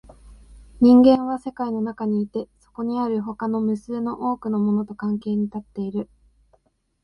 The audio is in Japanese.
人間は世界の中にいて、そこにある他の無数の多くのものと関係に立っている。